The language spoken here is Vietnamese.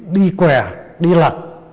đi què đi lặt